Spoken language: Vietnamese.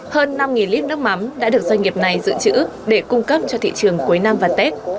hơn năm lít nước mắm đã được doanh nghiệp này dự trữ để cung cấp cho thị trường cuối năm và tết